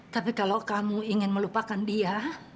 tapi kalau kamu ingin melupakan dia